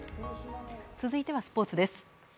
続いてはスポーツです。